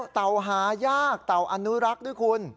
เต่าหายากเต่าอนุรักษ์ด้วยคุณ